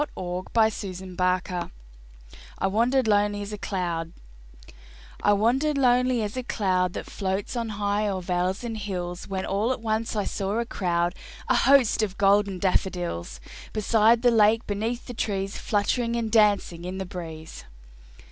Wallace Rice [1859 "I WANDERED LONELY AS A CLOUD" I wandered lonely as a cloud That floats on high o'er vales and hills, When all at once I saw a crowd, A host, of golden daffodils; Beside the lake, beneath the trees, Fluttering and dancing in the breeze.